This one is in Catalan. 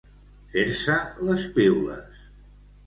Fer-se les piules.